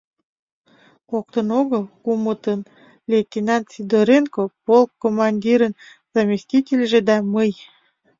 — Коктын огыл, кумытын: лейтенант Сидоренко, полк командирын заместительже да мый.